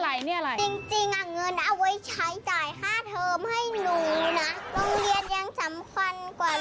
จะใช้จ่ายค่าเทอมให้นูโรงเรียนยังสำคัญกว่าลุงเท้าอีก